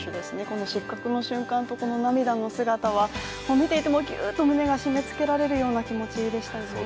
この失格の瞬間とこの涙の姿は見ていても、ぎゅーっと胸が締めつけられるような気持ちでしたね。